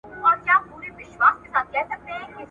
او د پردیو په پسرلي کي مي ..